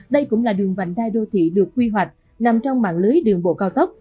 đây cũng là đường vành đai đô thị được quy hoạch nằm trong mạng lưới đường bộ cao tốc